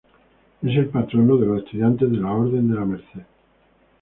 Es el patrono de los estudiantes de la Orden de la Merced.